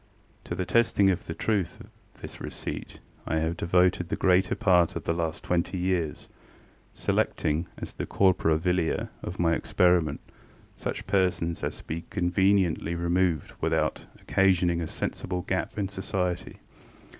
To the testing of the truth of this receipt I have devoted the greater part of the last twenty years, selecting as the corpora vilia of my experiment such persons as could conveniently be removed without occasioning a sensible gap in society.